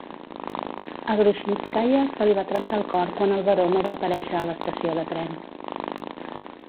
A Grushinskaya se li va trencar el cor quan el Baró no va aparèixer a l'estació de tren.